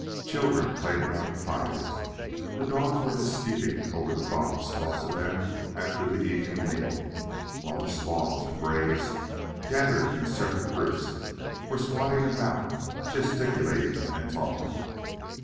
Children played about the fires, the dogs were disputing over the bones tossed to them after the evening meal, while the squaws and braves, gathered in separate groups, were squatting about, gesticulating and talking.